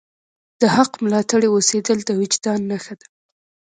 د حق ملاتړی اوسیدل د وجدان نښه ده.